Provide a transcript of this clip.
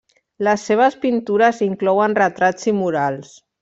Les seves pintures inclouen retrats i murals.